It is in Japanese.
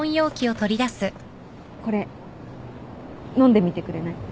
これ飲んでみてくれない？